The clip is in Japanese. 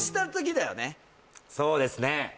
そうですね